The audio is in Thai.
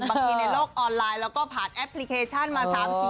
ในโลกออนไลน์เราก็ผ่านแอปพลิเคชันมา๓๐